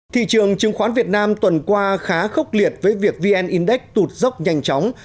thị trường chứng khoán việt nam tuần qua khá khốc liệt với việc vn index tụt dốc nhanh chóng